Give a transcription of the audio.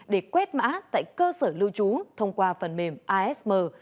để quét mã tại cơ sở lưu trú thông qua phần mềm asm